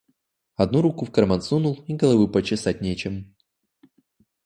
Одну руку в карман сунул, и головы почесать нечем.